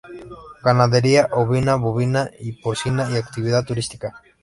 Ganadería ovina, bovina y porcina y actividad turística.